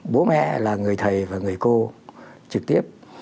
bố mẹ là người thầy và người cô trực tiếp